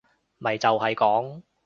咪就係講